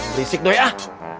berisik doi ah